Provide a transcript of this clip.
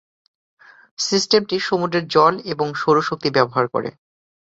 সিস্টেমটি সমুদ্রের জল এবং সৌর শক্তি ব্যবহার করে।